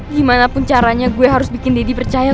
gimanapun caranya gue harus bikin daddy percaya